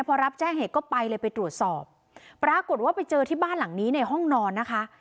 พอรับแจ้งเหตุก็ไปเลยไปตรวจสอบปรากฏว่าไปเจอที่บ้านหลังนี้ในห้องนอนนะคะ